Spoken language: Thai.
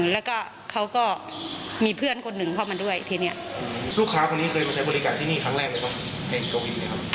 แล้วก็เขาก็มีเพื่อนคนหนึ่งเข้ามาด้วยทีเนี้ยลูกค้าคนนี้เคยมาใช้บริการที่นี่ครั้งแรกเลยครับในตรงนี้ครับ